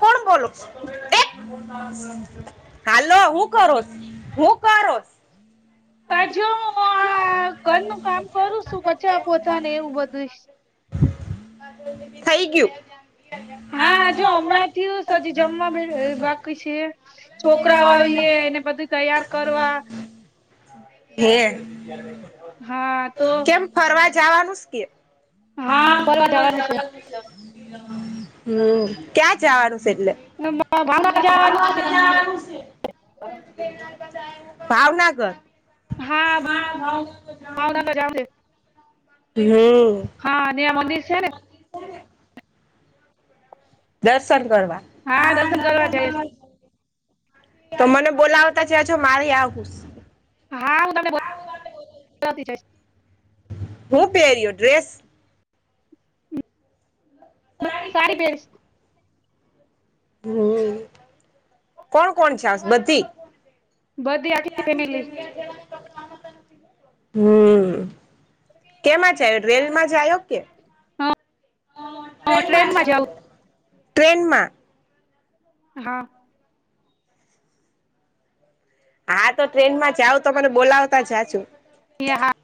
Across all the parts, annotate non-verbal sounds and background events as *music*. કોણ બોલો *unintelligible* હાલો હું કરો *unintelligible* હું કરોસ. *unintelligible* હું આ ઘરનું *unintelligible* કામ કરું છું *unintelligible* પોતા ને એવું બધુંશ થઈ ગયું. હા *unintelligible* જમવા બે બાકી છે. છોકરા આવીએ એને બધું તૈયાર કરવા. *unintelligible* હા તો. કેમ ફરવા જવાનું સે કે. હા ફરવા જવાનું. હમ્મ ક્યાં જવાનું છે એટલે? ભાવનગર જવાનું મામા ને ત્યાં. ભાવનગર. હા મા ભાવ તો જવાનું છે. હમ્મ. હા મનીર છે ને દર્શન કરવા. હા દર્શન કરવા. તો મને બોલાવતા છેછો મારી આવું હા હું તમને બોલાવીશ. હું પહેર્યો ડ્રેસ. હ સારી પેહની. હમ્મ કોણ કોણ છે બધી. બધી આખી ફેમિલી બધ ફ હમ્મ કેમાં જ્યો રેલમાં જ આવ્યો કે. હા ટ્રેનમાં જાઉં ટ્રેનમાં. હા. હા તો ટ્રેનમાં જાવ તો મને બોલાવતા જા જો. હા હા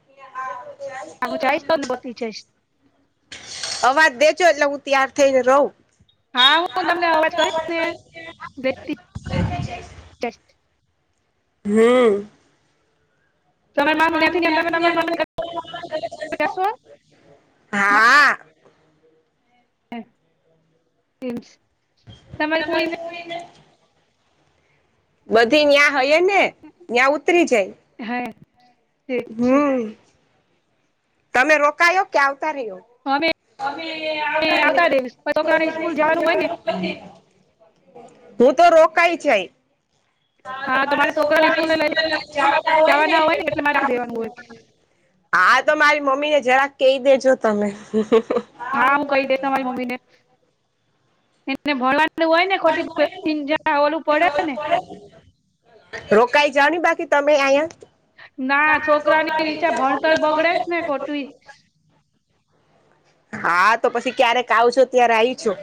હું જઈશ તો બધી જઈશ અવાજ દેજો એટલે હું ત્યાર થઈને રહું. હા હું તમને અવાજ કરીશને. *inaudible* હમ્મ. તમે માથી તમે તમા શું. હા હ એમ. તમારે કોઈને બધી ન્યાં હય ને ત્યાં ઉતરી જાય. હા છે. હમ તમે રોકાયો કે આવતા રહ્યો. અમે અમે રહીશ પણ આવતા છોકરાને સ્કૂલ જવાનું હોય ને રહ્યા. હું તો રોકાાય છે. હા તો મારે છોકરા ને સ્કૂલ એ લઈ જવાના હોય ને એટલે હું આવી જાવ. હા તો મારી મમ્મી ને જરાક કહી દેજો તમે. હા હું કહી દઇશ. બને ને ભોલા હોય ને ખોટી જ ઓલું પડે ને. રોકાઈ જાઓ ને બાકી તમે ના અહીયા. છોકરાની નીચે ભણતર બગડેસ ને *inaudible* ખોટું હા તો પછી ક્યારેક આવ છો ત્યારે આવી શું.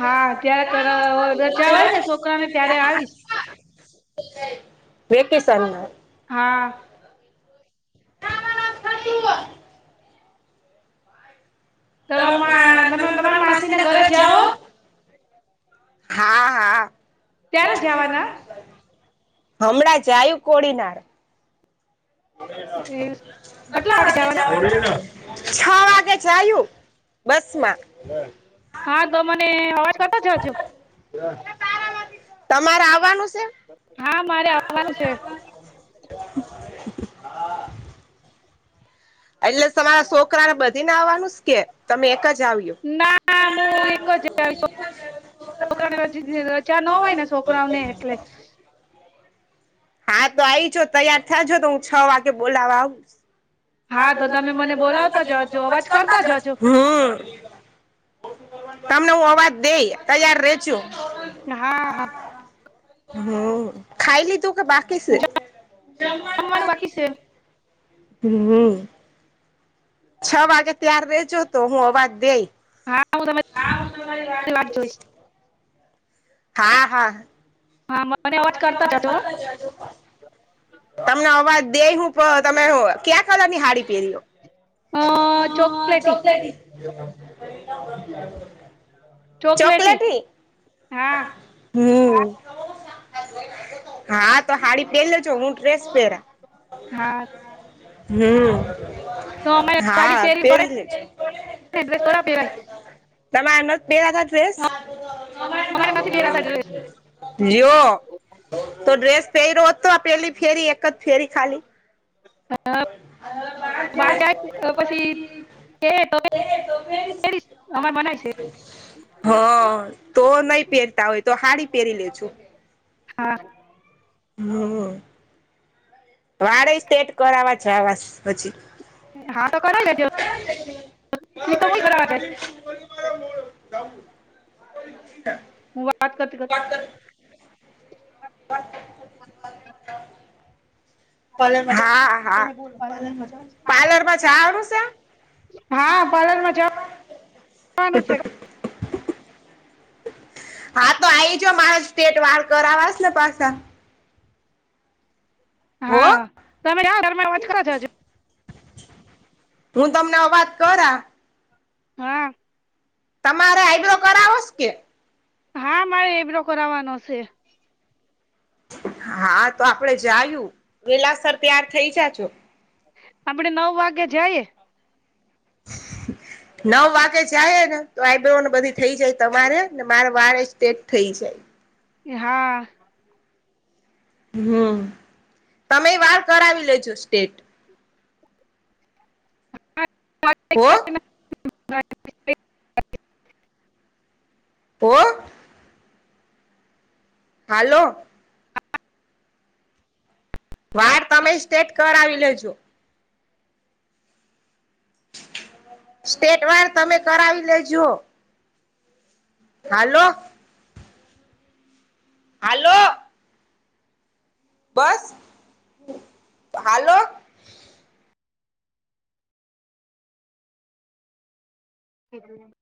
હા ત્યારે રજા હોય ને છોકરાને ત્યારે આવીશ. વેકેશનમાં હા. તમા તમે તમારી માસી ને ઘરે જાઓ? હા હા. કયારે જવાના? હમણાં જયું કોડીનાર. એ કેટલા વાગે જવાના *inaudible* છ વાગે જાયું બસમાં. હા તો મને અવાજ કરતા જા જો તમારે આવવાનું છે? હા મારે આવવાનું છે. *inaudible* એટલે તમારા છોકરા ને બધીને આવવાનું કે તમે એક જ આવ્યું? ના હું એક જ છુ. છોકરાને રજા ન હોય ને છોકરાઓને એટલે. હા તો આવીઈજો તૈયાર થજો તો હું છ વાગે બોલાવા આવું. હા તો તમે મને બોલાવતા જજો અવાજ *inaudible* કરતા જજો હ. તમને હું અવાજ દે તૈયાર રેજો. હા હા. હમ ખાઈ લીધું કે બાકી છે? જમવાનું બાકી છે હમ. છ વાગે ત્યાર રજો તો હું અવાજ દેય. *inaudible* તમારી વાટ જોઈશ *inaudible* હા હા. હા મને અવાજ કરતા જજો તમને અવાજ દે હું તમે ક્યાં કલરની હાડી પહેરીઓ. અ ચોકલેટી *inaudible* ચોકલેટી હા. હમ. હા તો હાડી પેરી લેજો હું ડ્રેસ પહેરા. હા હમ તો અમારે સાડી હા તેરી પર પહેરી લેજો ડ્રેસ થોડી પહેરાય તમારે નથી દેવા અમારે નથી પહેરાતા ડ્રેસ *inaudible* જો. તો ડ્રેસ પહેરયો તો પેલી ફેરી એક જ ફેરી ખાલી. બહાર જાય પછી *inaudible* *unintelligible* હા તો નઈ પહેરતા હોય તો હાડી પહેરી લે જો. હા હમ. વાળે સ્ટેટ કરવા છે આવા પછી. *unintelligible* હું વાત કર *inaudible* *inaudible* *inaudible* હા હા પાર્લરમાં છે. આવું છે? હા પાર્લર માં જાવ *unintelligible* હા તો આઈજ મારા સ્ટેટ વાળ કરવાસ ને પાછા હો હા તમે આવો વોચ કરાવી જાજો હું તમને અવાજ કર આ હા તમારે આઈબ્રો કરાવોસ કે હા મારે એ બલોો કરાવવાનો છે. હા તો આપડે જયું વેલાસર ત્યાર થઇ જાજો આપડ નવ વાગ્યા જએ નવ વાગ્ય જાય ને તો આઈબને બધી થઈ જાય તમારે ને મારે વાર સ્ટેટ થઈ જાય હા હમ્મ તમે વાળ કરાવી લેજો સ્ટેટ ઓ પો હાલો વાર તમે સ્ટેટ કર આવી લેજો સ્ટેટ વાર તમે કરાવી લેજો હાલો હાલો બસ હાલો હમ્મ